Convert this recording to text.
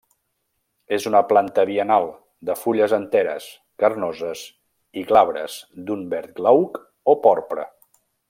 És una planta biennal, de fulles enteres, carnoses i glabres d'un verd glauc o porpra.